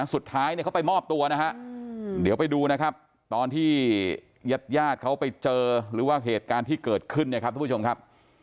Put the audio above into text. สุดท้ายเนี่ยเขาไปมอบตัวนะฮะเดี๋ยวไปดูนะครับตอนที่ญาติญาติเขาไปเจอหรือว่าเหตุการณ์ที่เกิดขึ้นเนี่ยครับทุกผู้ชมครับ